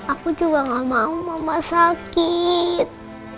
aku juga gak mau mama sakit